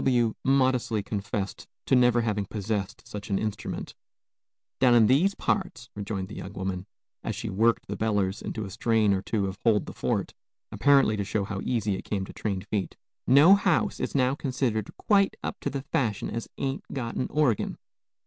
W modestly confessed to never having possessed such an instrument. "Down in these parts," rejoined the young woman, as she "worked the bellers" into a strain or two of "Hold the Fort," apparently to show how easy it came to trained feet, "no house is now considered quite up to the fashi'n as ain't got a orgin."